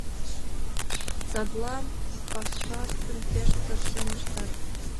Садлан пашаштым пеш тыршен ыштат.